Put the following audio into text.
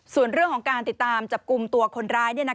ส่วนเรื่องของการติดตามจับกลุ่มตัวคนร้าย